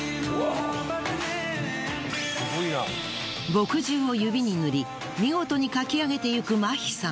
墨汁を指に塗り見事に描き上げていくマヒさん。